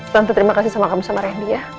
tante terima kasih sama kamu sama reni ya